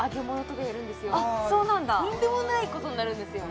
とんでもないことになるんですよ